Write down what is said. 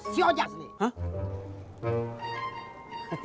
si ojak asli